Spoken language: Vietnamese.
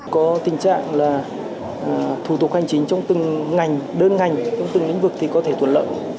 có tình trạng là thủ tục hành chính trong từng ngành đơn ngành trong từng lĩnh vực thì có thể tuật lợi